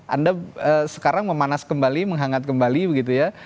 anda sekarang memanas kembali menghangat kembali begitu ya